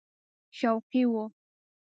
شوقي وو.